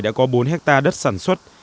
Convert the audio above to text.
đã có bốn hectare đất sản xuất